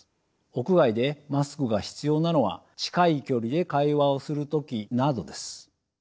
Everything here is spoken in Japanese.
屋外でマスクが必要なのは近い距離で会話をする時などです。